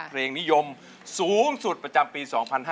เพลงนิยมสูงสุดประจำปี๒๕๕๙